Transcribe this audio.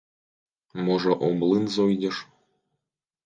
Можа, у млын зойдзеш?